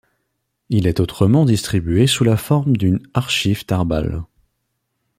Il est autrement distribué sous la forme d'une archive tarball.